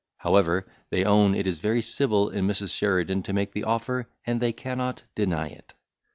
However, they own it is very civil in Mrs. Sheridan to make the offer; and they cannot deny it.